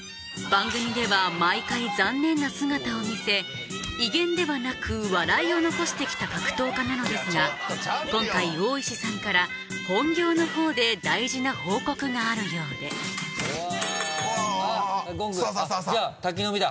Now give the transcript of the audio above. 番組では毎回残念な姿を見せ威厳ではなく笑いを残してきた格闘家なのですが今回大石さんから本業の方で大事な報告があるようで［ゴングの音］